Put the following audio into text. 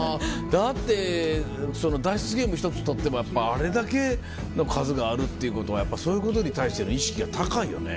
だって脱出ゲーム一つ取ってもあれだけの数があるっていうことはやっぱそういうことに対しての意識が高いよね。